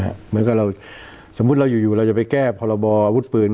เหมือนกับเราสมมุติเราอยู่เราจะไปแก้พรบออาวุธปืน